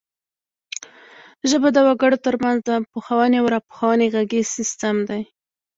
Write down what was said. ژبه د وګړو ترمنځ د پوهونې او راپوهونې غږیز سیستم دی